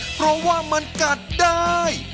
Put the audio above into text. เพราะว่ามันกัดได้